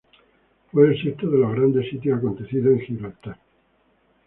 Fue el sexto de los grandes sitios acontecidos en Gibraltar.